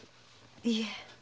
いいえ。